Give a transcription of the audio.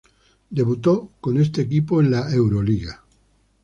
Debutó con este equipo en la euroliga.